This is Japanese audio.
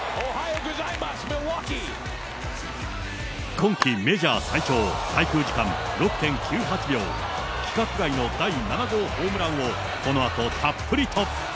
今季メジャー最長滞空時間６．９８秒、規格外の第７号ホームランを、このあとたっぷりと。